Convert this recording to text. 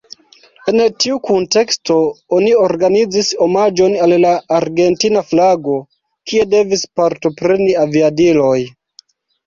En tiu kunteksto oni organizis omaĝon al la argentina flago, kie devis partopreni aviadiloj.